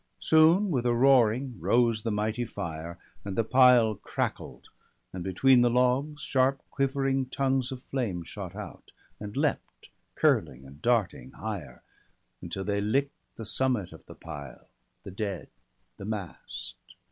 Soon with a roaring rose the mighty fire, And the pile crackled; and between the logs Sharp quivering tongues of flame shot out, and leapt, Curling and darting, higher, until they lick'd The summit of the pile, the dead, the mast.